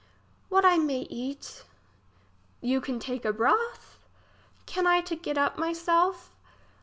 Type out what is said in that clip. What I may to eat ? You can take a broth. Can I to get up my self?